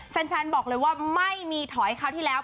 แฟนบอกเลยว่าไม่มีถอยคราวที่แล้ว